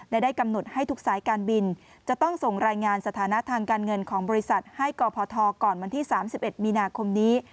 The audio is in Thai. ได้กำหนดให้ทุกสายการบินจะต้องส่งรายงานสถานะทางการเงินของบริษัทให้กพทก่อนวันที่๓๑มีนาคมนี้